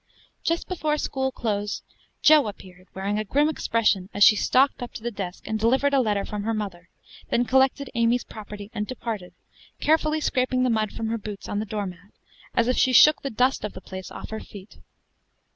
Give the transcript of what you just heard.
Just before school closed Jo appeared, wearing a grim expression as she stalked up to the desk and delivered a letter from her mother; then collected Amy's property and departed, carefully scraping the mud from her boots on the door mat, as if she shook the dust of the place off her feet.